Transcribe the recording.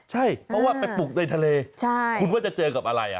ใช่เพราะว่าไปปลูกในทะเลคุณว่าจะเจอกับอะไร